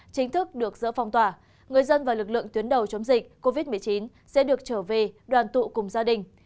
chính thức được dỡ phong tỏa người dân và lực lượng tuyến đầu chống dịch covid một mươi chín sẽ được trở về đoàn tụ cùng gia đình